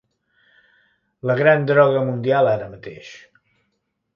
La gran droga mundial, ara mateix.